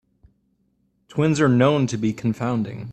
Twins are known to be confounding.